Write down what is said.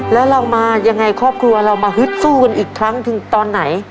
แล้วเรามายังไงครอบครัวเรามาฮึดสู้กันอีกครั้งถึงตอนไหน